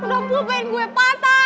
udah pulpen gue patah